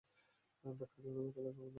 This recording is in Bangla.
ধাক্কা দিও না ব্যাথা লাগে, আপা।